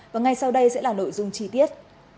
và ngay sau đây sẽ là nội dung chi tiết